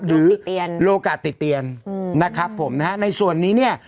โลกะติดเตียนนะครับผมนะฮะในส่วนนี้เนี่ย